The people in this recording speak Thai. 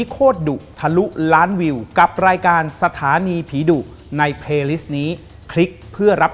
ขอบคุณนะครับ